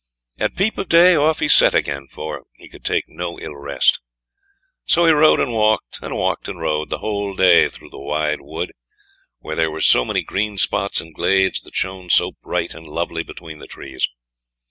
At peep of day off he set again, for he could take no rest. So he rode and walked and walked and rode the whole day through the wide wood, where there were so many green spots and glades that shone so bright and lovely between the trees.